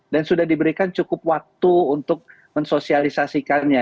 dan sudah diberikan cukup waktu untuk mensosialisasikannya